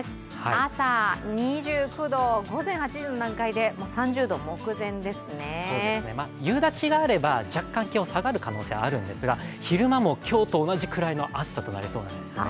朝２９度、午前８時の段階で夕立があれば、若干気温下がる可能性あるんですが昼間も今日と同じくらいの暑さとなりそうなんですね。